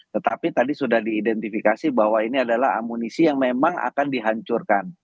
tetapi tadi sudah diidentifikasi bahwa ini adalah amunisi yang memang akan dihancurkan